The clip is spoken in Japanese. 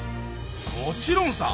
もちろんさ。